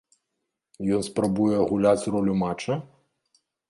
Ён спрабуе гуляць ролю мача?